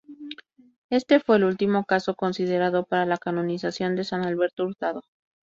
Este fue el último caso considerado para la canonización de San Alberto Hurtado.